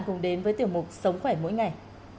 cùng đến với tiểu mục sống khỏe mỗi ngày